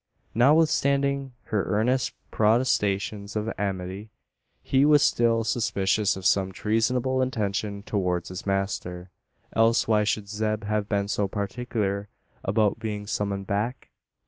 Notwithstanding her earnest protestations of amity, he was still suspicious of some treasonable intention towards his master; else why should Zeb have been so particular about being summoned back?